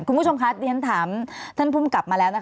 คุณผู้ชมคะเรียนถามท่านภูมิกลับมาแล้วนะคะ